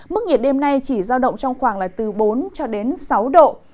mức nhiệt đêm nay chỉ giao động trong khoảng bốn sáu độ